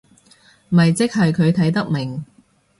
咪即係佢睇得明